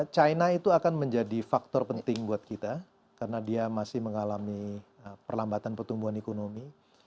china itu akan menjadi faktor penting buat kita karena dia masih mengalami perlambatan pertumbuhan ekonomi